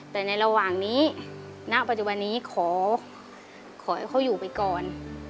แต่ในระหว่างนี้ณปัจจุบันนี้ขอให้เขาอยู่ไปก่อน